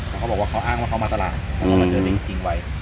แล้วเขาบอกว่าเขาอ้างว่าเขามาตลาดอืมแล้วมันเจอจริงจริงไว้